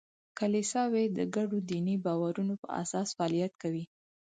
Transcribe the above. کلیساوې د ګډو دیني باورونو په اساس فعالیت کوي.